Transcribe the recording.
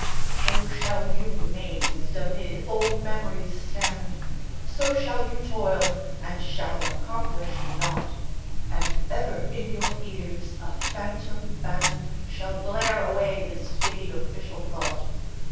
So shall you mazed amid old memories stand, So shall you toil, and shall accomplish naught. And ever in your ears a phantom Band Shall blare away the staid official thought.